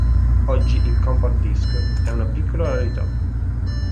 Oggi, il compact disc è una piccola rarità.